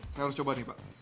saya harus coba nih pak